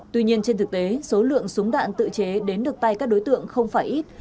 tuy nhiên trên thực tế số lượng súng đạn tự chế đến được tay các đối tượng không phải ít